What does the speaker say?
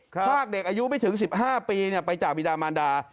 พรากเด็กอายุไม่ถึง๑๕ปีไปจากบิดามานดา